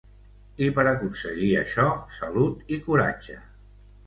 I per aconseguir això, salut i coratge.